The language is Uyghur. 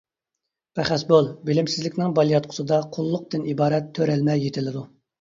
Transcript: پەخەس بول، بىلىمسىزلىكنىڭ بالىياتقۇسىدا «قۇللۇق» تىن ئىبارەت «تۆرەلمە» يېتىلىدۇ.